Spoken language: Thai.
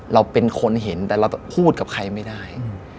เราเป็นคนเห็นแต่เราพูดกับใครไม่ได้